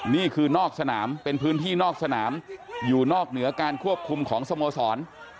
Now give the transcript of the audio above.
นี่คือนอกสนามเป็นพื้นที่นอกสนามอยู่นอกเหนือการควบคุมของสโมสร